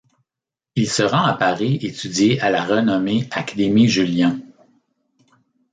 Il se rend à Paris étudier à la renommée Académie Julian.